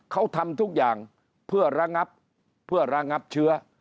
เขาทำทุกอย่างเพื่อระงับเพื่อระงับเชื้อ